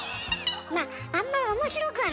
まああんまり面白くはないけどね。